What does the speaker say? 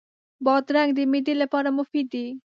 بادرنګ د معدې لپاره مفید دی.